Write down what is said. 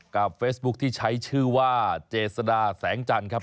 กับเฟซบุ๊กที่ใช้ชื่อว่าเจสดาแสงจันครับ